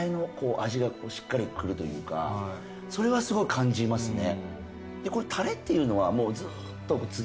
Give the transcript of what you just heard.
それはすごい感じますね。